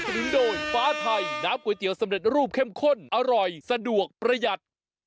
นุนโดยฟ้าไทยน้ำก๋วยเตี๋ยสำเร็จรูปเข้มข้นอร่อยสะดวกประหยัด